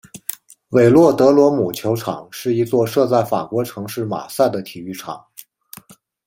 韦洛德罗姆球场是一座设在法国城市马赛的体育场。